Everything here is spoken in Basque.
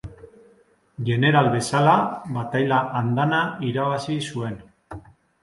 Jeneral bezala bataila andana irabazi zuen.